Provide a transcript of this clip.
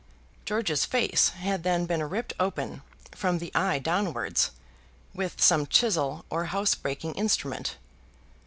George's face had then been ripped open from the eye downwards, with some chisel, or house breaking instrument.